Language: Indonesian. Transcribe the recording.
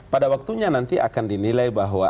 pada waktunya nanti akan dinilai bahwa